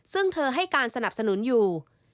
ซึ่งเธอให้การสนับสนุนอยู่